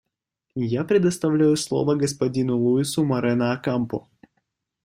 Я предоставляю слово господину Луису Морено-Окампо.